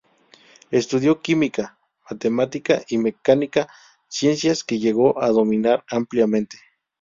Estudió química, matemática y mecánica, ciencias que llegó a dominar ampliamente.